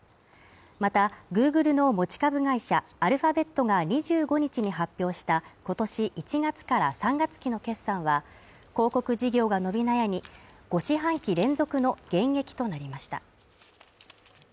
また、Ｇｏｏｇｌｅの持ち株会社アルファベットが２５日に発表した今年１月から３月期の決算は、広告事業が伸び悩み５四半期連続の減益となりました。